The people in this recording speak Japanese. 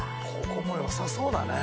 ここもよさそうだね。